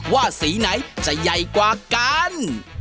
ว่าสีไหนจะใหญ่กว่ากัน